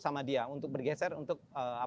sama dia untuk bergeser untuk